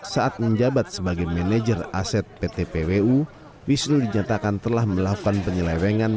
saat menjabat sebagai manajer aset pt pwu wisnu dinyatakan telah melakukan penyelewengan